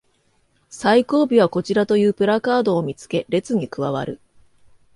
最後尾はこちらというプラカードを見つけ列に加わる